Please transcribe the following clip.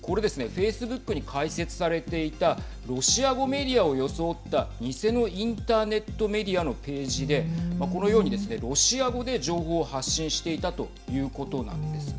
フェイスブックに開設されていたロシア語メディアを装った偽のインターネットメディアのページでこのようにですねロシア語で情報を発信していたということなんです。